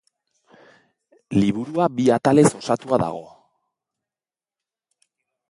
Liburua bi atalez osatua dago.